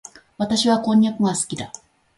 私はこんにゃくが好きだ。